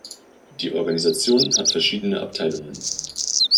Die Organisation hat verschiedene Abteilungen.